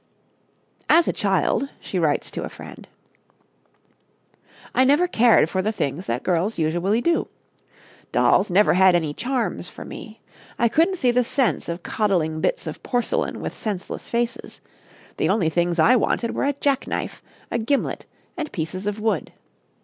"As a child," she writes to a friend, "I never cared for the things that girls usually do; dolls never had any charms for me. I couldn't see the sense of coddling bits of porcelain with senseless faces; the only things I wanted were a jackknife, a gimlet and pieces of wood.